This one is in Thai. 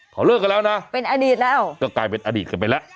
เขาเลิกกันแล้วนะเป็นอดีตแล้วก็กลายเป็นอดีตกันไปแล้ว